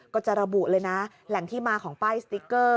ก็จะระบุเลยนะแหล่งที่มาของป้ายสติ๊กเกอร์